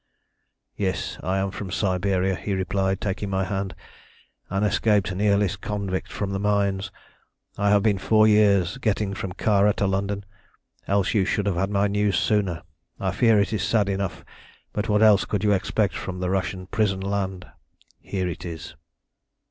"'Yes, I am from Siberia,' he replied, taking my hand; 'an escaped Nihilist convict from the mines. I have been four years getting from Kara to London, else you should have had my news sooner. I fear it is sad enough, but what else could you expect from the Russian prison land? Here it is.'